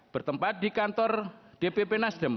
bertempat di kantor dpp nasdem